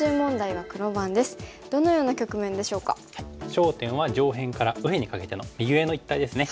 焦点は上辺から右辺にかけての右上の一帯ですね。